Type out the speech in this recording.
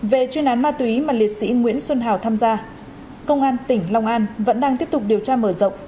về chuyên án ma túy mà liệt sĩ nguyễn xuân hào tham gia công an tỉnh long an vẫn đang tiếp tục điều tra mở rộng